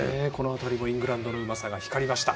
イングランドのうまさが光りました。